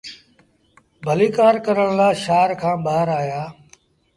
ڀليٚڪآر ڪرڻ لآ شآهر کآݩ ٻآهر آيآ۔